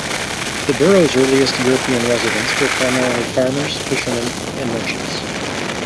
The borough's earliest European residents were primarily farmers, fishermen and merchants.